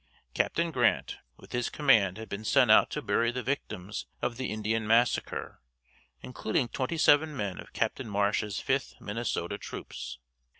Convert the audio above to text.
Capt. Grant, with his command had been sent out to bury the victims of the Indian massacre, including twenty seven men of Capt. Marsh's Fifth Minnesota troops.